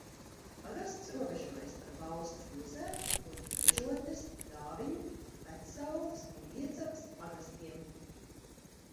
Pagasts robežojas ar Bauskas pilsētu un Mežotnes, Dāviņu, Vecsaules un Iecavas pagastiem.